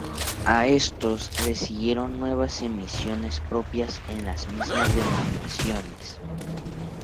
A estos les siguieron nuevas emisiones propias en las mismas denominaciones.